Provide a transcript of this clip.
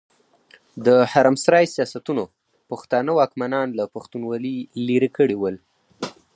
د حرم سرای سياستونو پښتانه واکمنان له پښتونولي ليرې کړي ول.